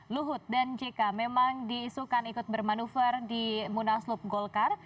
luhut dan jk memang diisukan ikut bermanuver di munaslup golkar